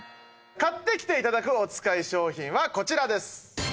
買ってきて頂くおつかい商品はこちらです。